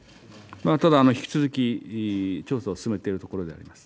ただ引き続き調査を進めているところであります。